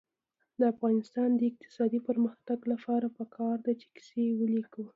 د افغانستان د اقتصادي پرمختګ لپاره پکار ده چې کیسې ولیکو.